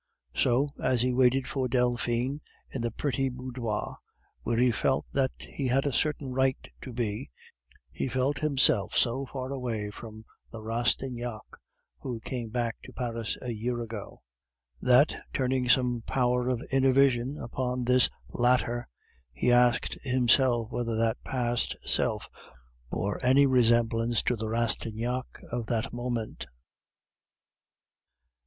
So, as he waited for Delphine, in the pretty boudoir, where he felt that he had a certain right to be, he felt himself so far away from the Rastignac who came back to Paris a year ago, that, turning some power of inner vision upon this latter, he asked himself whether that past self bore any resemblance to the Rastignac of that moment.